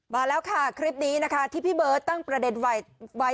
มาแล้วค่ะคลิปนี้นะคะที่พี่เบิร์ตตั้งประเด็นไว้